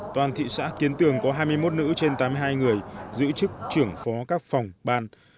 toàn thị xã kiến tường có hai mươi một nữ trên tám mươi hai người giữ chức trưởng phó các phòng ban